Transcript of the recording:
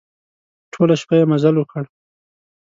ټوله شپه يې مزل وکړ.